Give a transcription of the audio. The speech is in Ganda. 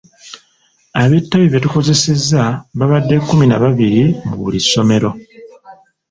Abeetabi betukozesezza babadde kkumi na babiri mu buli ssomero.